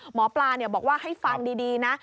หมอปลาบอกว่าให้ฟังดีนะ